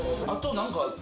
あと何か。